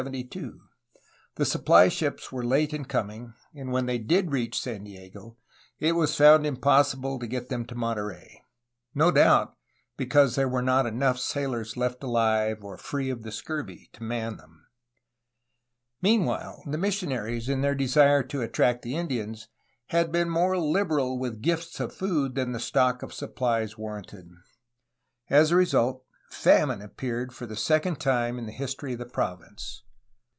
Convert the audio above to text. The supply ships were late in coming, and when they did reach San Diego it was found impossible to get them to Monterey, — ^no doubt because there were not enough sailors left aUve or free of the scurvy to man them. Mean while, the missionaries, in their desire to attract the Indians, had been more liberal with gifts of food than the stock of suppUes warranted. As a result, famine appeared for the second time in the history of the province.